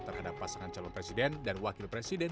terhadap pasangan calon presiden dan wakil presiden